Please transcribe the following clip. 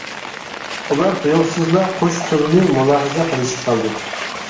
ئۇلار تۇيۇقسىزلا قوش تىلنى مۇلاھىزە قىلىشىپ قالدى.